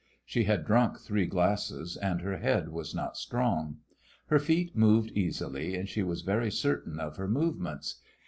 She had drunk three glasses, and her head was not strong. Her feet moved easily, and she was very certain of her movements.